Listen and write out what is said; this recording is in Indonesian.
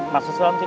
maaf sesuai sih